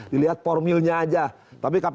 dilihat formilnya aja